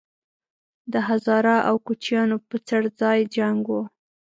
د هزاره او کوچیانو په څړځای جنګ وو